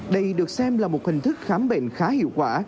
đây được xem là một hình thức khám bệnh khá hiệu quả